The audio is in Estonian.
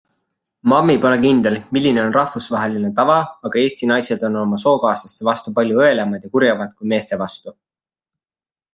Mammi pole kindel, milline on rahvusvaheline tava, aga Eesti naised on oma sookaaslaste vastu palju õelamad ja kurjemad kui meeste vastu.